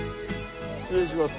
失礼します。